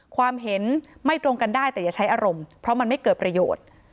ความเห็นไม่ตรงกันได้แต่อย่าใช้อารมณ์เพราะมันไม่เกิดประโยชน์